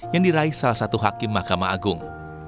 yang diraih salah satu hakim mahkamah agung